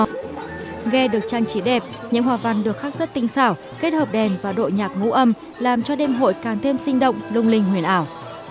nghe được trang trí đẹp những hòa văn được khắc rất tinh xảo kết hợp đèn và độ nhạc ngũ âm làm cho đêm hội càng thêm sinh động lung linh huyền ảo